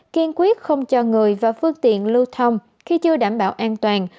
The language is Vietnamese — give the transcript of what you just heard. kiên quyết không cho người và phương tiện lưu thông khi chưa đảm bảo an toàn